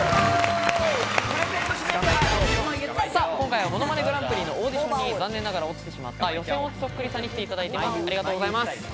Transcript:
今回は『ものまねグランプリ』のオーディションに残念ながら落ちてしまった予選落ちそっくりさんに来ていただいています。